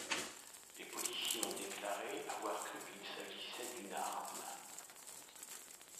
Les policiers ont déclaré avoir cru qu'il s'agissait d'une arme.